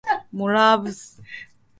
Morabs are typically not gaited.